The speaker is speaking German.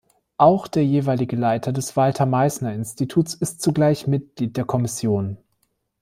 Auch der jeweilige Leiter des Walther-Meißner-Instituts ist zugleich Mitglied der Kommission.